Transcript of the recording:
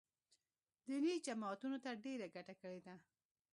دیني جماعتونو ته ډېره ګټه کړې ده